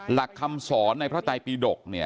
หลักคำสอนในพระไตปีดก